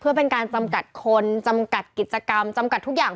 เพื่อเป็นการจำกัดคนจำกัดกิจกรรมจำกัดทุกอย่าง